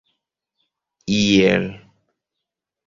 iel